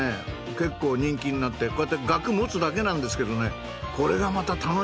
結構人気になってこうやって額持つだけなんですけどねこれがまた楽しそうなんですよね。